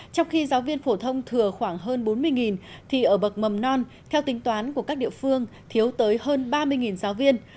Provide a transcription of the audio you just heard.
trong khi giáo viên phổ thông thừa khoảng hơn bốn mươi thì ở bậc mầm non theo tính toán của các địa phương thiếu tới hơn ba mươi giáo viên